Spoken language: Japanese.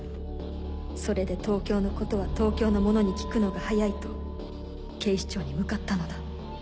それで東京のことは東京の者に聞くのが早いと警視庁に向かったのだ。